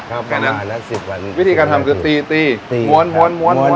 ครับประมาณสักสิบวันวิธีการทำคือตีตีหมวนหมวนหมวนหมวนหมวน